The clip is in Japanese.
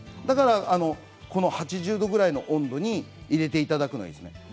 だから８０度ぐらいの温度に入れていただくのがいいですね。